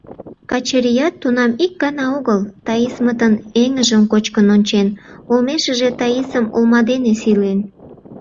Качырият тунам ик гана огыл Таисмытын эҥыжым кочкын ончен, олмешыже Таисым олма дене сийлен.